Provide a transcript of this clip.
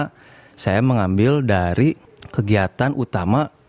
karena saya mengambil dari kegiatan utama